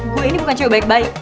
gue ini bukan cuma baik baik